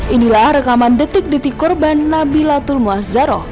inilah rekaman detik detik korban nabila tulmah zaro